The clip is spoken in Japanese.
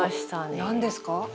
何ですか？